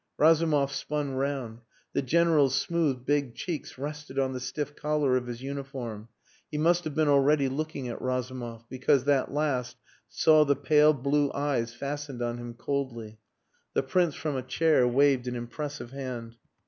Razumov spun round. The General's smooth big cheeks rested on the stiff collar of his uniform. He must have been already looking at Razumov, because that last saw the pale blue eyes fastened on him coldly. The Prince from a chair waved an impressive hand.